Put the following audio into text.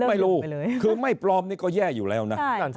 ไม่รู้คือไม่ปลอมนี่ก็แย่อยู่แล้วนะ